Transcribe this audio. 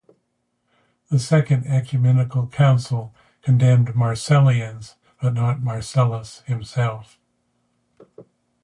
The Second Ecumenical Council condemned 'Marcellians', but not Marcellus himself.